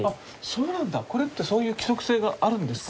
これってそういう規則性があるんですか。